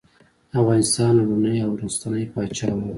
د افغانستان لومړنی او وروستنی پاچا وو.